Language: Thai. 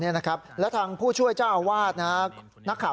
นี่นะครับและทางผู้ช่วยเจ้าวาดนะครับ